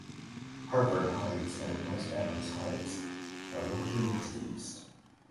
Harvard Heights and West Adams Heights are located to the east.